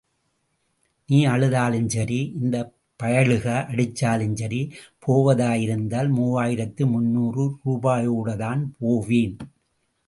நீ அழுதாலும் சரி... இந்த பயலுக அடிச்சாலும் சரி... போவதாய் இருந்தால், மூவாயிரத்து முந்நூறு ரூபாயோடத்தான் போவேன்.